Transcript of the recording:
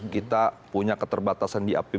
kita punya keterbatasan diapal